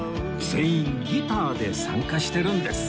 全員ギターで参加してるんです